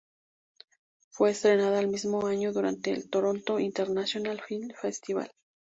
Fue estrenada el mismo año durante el Toronto International Film Festival.